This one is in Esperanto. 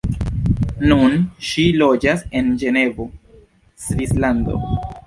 Nun ŝi loĝas en Ĝenevo, Svislando.